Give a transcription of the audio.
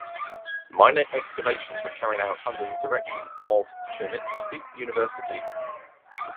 Minor excavations were carried out under the direction of of Chernivtsi University.